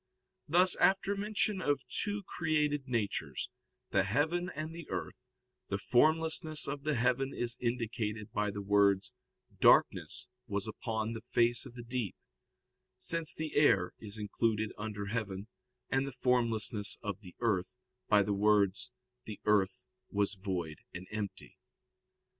Thus after mention of two created natures, the heaven and the earth, the formlessness of the heaven is indicated by the words, "darkness was upon the face of the deep," since the air is included under heaven; and the formlessness of the earth, by the words, "the earth was void and empty."